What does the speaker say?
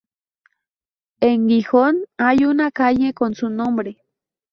En Gijón hay una calle con su nombre.